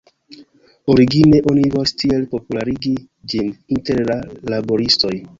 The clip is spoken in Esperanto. Origine oni volis tiel popularigi ĝin inter la laboristoj.